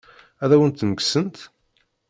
Ad awen-ten-kksent?